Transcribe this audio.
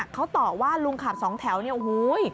เขาตอบว่าลุงขับสองแถวเนี่ยโอ้โห